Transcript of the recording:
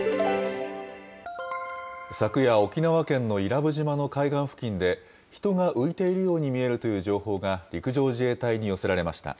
昨夜、沖縄県の伊良部島の海岸付近で人が浮いているように見えるという情報が陸上自衛隊に寄せられました。